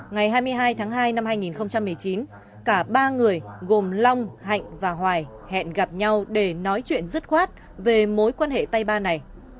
ngày hai mươi hai tháng hai năm hai nghìn một mươi chín cả ba người gồm long hạnh và hoài hẹn gặp nhau để nói chuyện dứt khoát về mối quan hệ tay ba này